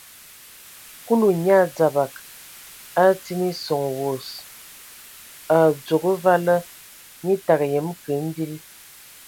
Kulu nyaa dzabag, a atin eson wos, a udzogo vala, nye təgə yəm kə mbil.